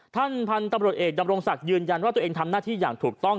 ท่านพันธุ์ตำรวจเอกดำรงศักดิ์ยืนยันว่าตัวเองทำหน้าที่อย่างถูกต้อง